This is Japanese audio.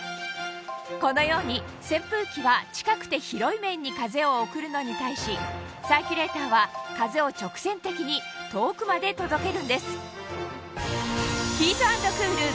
このように扇風機は近くて広い面に風を送るのに対しサーキュレーターは風を直線的に遠くまで届けるんです